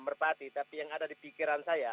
merpati tapi yang ada di pikiran saya